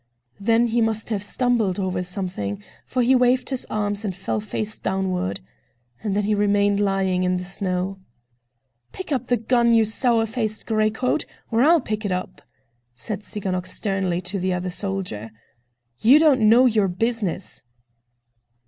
Then he must have stumbled over something, for he waved his arms and fell face downward. And there he remained lying on the snow. "Pick up the gun, you sour faced gray coat, or I'll pick it up," said Tsiganok sternly to the other soldier. "You don't know your business!"